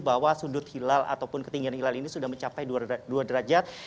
bahwa sudut hilal ataupun ketinggian hilal ini sudah mencapai dua derajat